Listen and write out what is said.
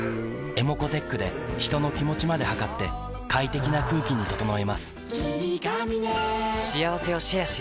ｅｍｏｃｏーｔｅｃｈで人の気持ちまで測って快適な空気に整えます